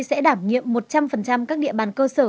sẽ đảm nhiệm một trăm linh các địa bàn cơ sở